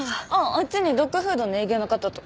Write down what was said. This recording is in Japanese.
あっちにドッグフードの営業の方と。